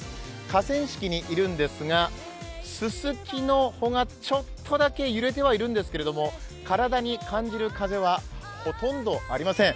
河川敷にいるんですが、すすきの穂がちょっとだけ揺れているんですが体に感じる風はほとんどありません。